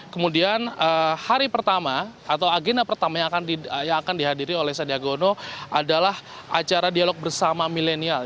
kemudian hari pertama atau agenda pertama yang akan dihadiri oleh sandiagono adalah acara dialog bersama milenial